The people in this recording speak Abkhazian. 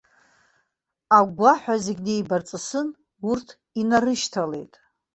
Агәгәаҳәа зегь неибарҵысын, урҭ инарышьҭалеит.